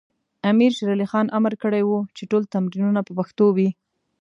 امیر شیر علی خان امر کړی و چې ټول تمرینونه په پښتو وي.